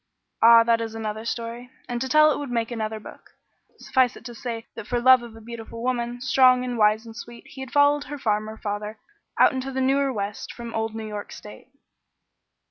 Ah, that is another story, and to tell it would make another book; suffice it to say that for love of a beautiful woman, strong and wise and sweet, he had followed her farmer father out into the newer west from old New York State.